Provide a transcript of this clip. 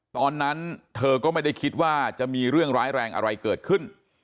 ตอนนั้นเธอก็ไม่ได้คิดว่าจะมีเรื่องร้ายแรงอะไรเกิดขึ้น